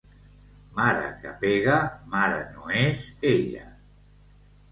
Mare que pega, mare no és ella.